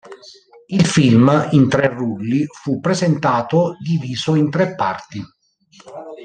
Il film, in tre rulli, fu presentato diviso in tre parti.